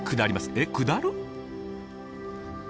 えっ下る？